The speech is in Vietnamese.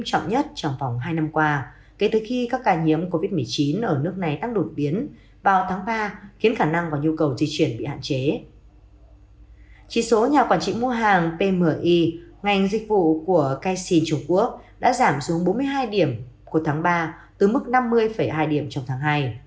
chỉ số nhà quản trị mua hàng pmi ngành dịch vụ của caisi trung quốc đã giảm xuống bốn mươi hai điểm của tháng ba từ mức năm mươi hai điểm trong tháng hai